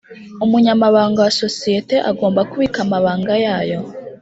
Umunyamabanga wa sosiyete agomba kubika amabanga yayo